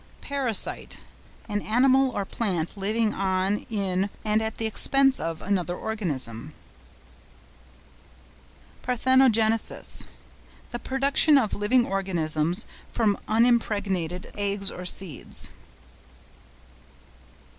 PARASITE.—An animal or plant living upon or in, and at the expense of, another organism. PARTHENOGENESIS.—The production of living organisms from unimpregnated eggs or seeds.